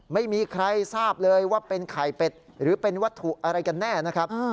ไม่มีใครทราบเลยว่าเป็นไข่เป็ดหรือเป็นวัตถุอะไรกันแน่นะครับ